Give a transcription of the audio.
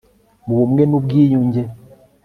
mu bumwe n'ubwiyunge